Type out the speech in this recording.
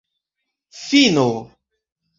fino